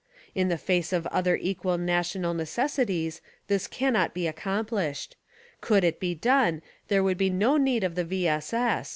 In the face of other equal national necessities this cannot be accompHshed; could it be done there would be no need of the V. S. S.